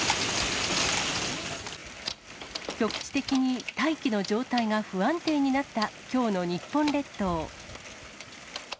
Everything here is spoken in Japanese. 局地的に大気の状態が不安定になった、きょうの日本列島。